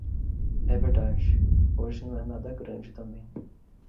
É verdade, hoje não é nada grande também.